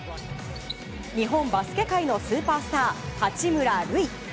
日本バスケ界のスーパースター八村塁。